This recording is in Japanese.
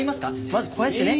まずこうやってね。